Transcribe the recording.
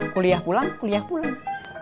kuliah pulang kuliah pulang